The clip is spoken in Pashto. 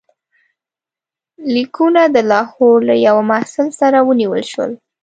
لیکونه د لاهور له یوه محصل سره ونیول شول.